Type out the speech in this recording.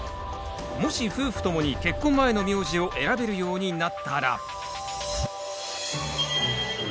もし夫婦ともに結婚前の名字を選べるようになったら。